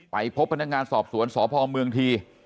ไปพบพนักงานสอบสวนสพมคถ